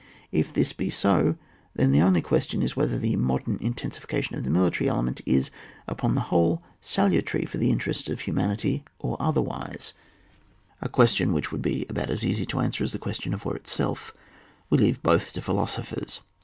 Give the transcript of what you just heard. If this be so, then the only ques tion is whether this modem intensifica tion of the militaiy element is, upon the whole, salutarj for the interests of hu manity or otherwise, — a question which it 174 OiV^ WAR. [book VI. would be about as easy to answer as the question of war itself — we leave both to philosophers.